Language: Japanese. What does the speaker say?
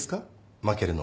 負けるのが。